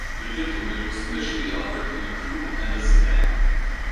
The Diplomat was initially offered in a coupe and a sedan.